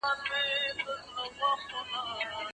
ولي والدین مهم دي؟